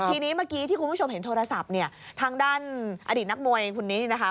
ทีนี้เมื่อกี้ที่คุณผู้ชมเห็นโทรศัพท์เนี่ยทางด้านอดีตนักมวยคนนี้นะคะ